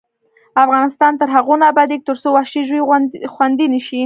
افغانستان تر هغو نه ابادیږي، ترڅو وحشي ژوي خوندي نشي.